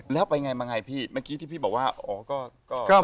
แล้วไปไงมาไงพี่เมื่อกี้ที่พี่บอกว่าอ๋อก็